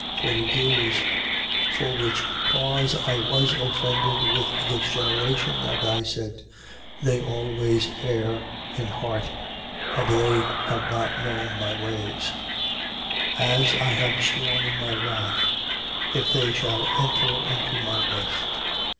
Forty years: for which cause I was offended with this generation, and I said: They always err in heart. And they have not known my ways. 3:11. As I have sworn in my wrath: If they shall enter into my rest. 3:12.